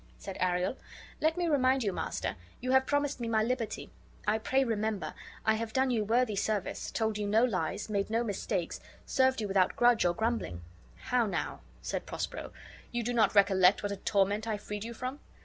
said Ariel. "Let me remind you, master, you have promised me my liberty. I pray, remember, , I have done you worthy service, told you no lies, made no mistakes, served you without grudge or grumbling." "How now!" said Prospero. "You do not recollect what a torment I freed you from.